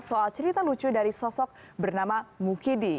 soal cerita lucu dari sosok bernama mukidi